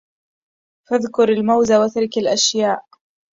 فاذكر المَوز واتركِ الأشياءَ